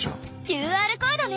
ＱＲコードね。